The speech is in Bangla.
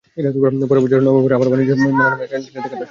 পরের বছরের নভেম্বরেই আবার বাণিজ্য মেলার নামে আবার টিলাটি কাটা শুরু হয়।